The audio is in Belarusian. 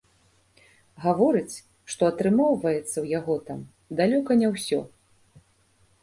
Гаворыць, што атрымоўваецца ў яго там далёка не ўсё.